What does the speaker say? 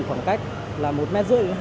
phòng cách là một m ba mươi hai m